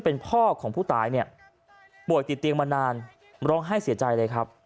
เป็นพ่อของผู้ตายเนี่ยป่วยติดเตียงมานานร้องไห้เสียใจเลยครับ